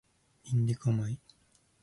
インディカ米